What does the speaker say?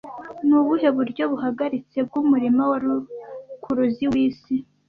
Ni ubuhe buryo buhagaritse bw'umurima wa rukuruzi w'isi